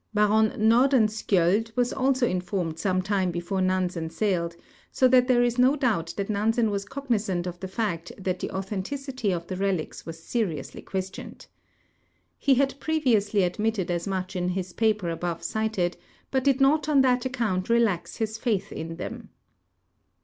Baron Nordenskibld was also informed some time before Nansen sailed, so that there is no doubt that Nansen was cognizant of the fact that the authenticity of the relics Avas seri ously questioned. He had preAuously admitted as much in his paper above cited, but did not on that account relax his faith in them.